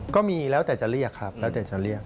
ก็มีแล้วแต่จะเรียกครับแล้วแต่จะเรียก